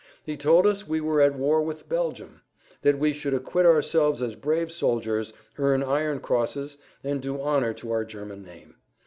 He told us we were at war with Belgium, that we should acquit ourselves as brave soldiers, earn iron crosses, and do honor to our German name.